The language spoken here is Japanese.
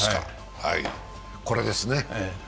これですね。